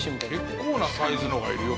結構なサイズのがいるよ